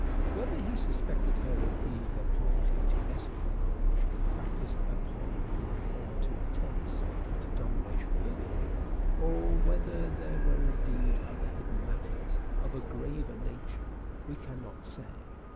Whether he suspected her of being a party to espio'nage practised upon him or to attempts at domination over him, or whether there were indeed other hidden matters of a graver nature we cannot say.